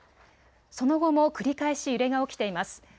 その後も繰り返し揺れが起きています。